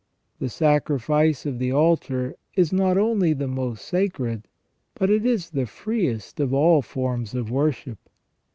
The sacrifice of the altar is not only the most sacred, but it is the freest of all forms of worship.